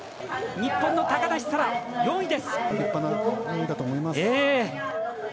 日本の高梨沙羅、４位です。